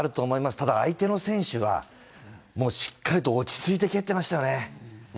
ただ、相手の選手は、もうしっかりと落ち着いて蹴ってましたよね。